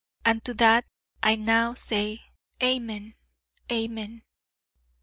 And to that I now say: Amen, Amen.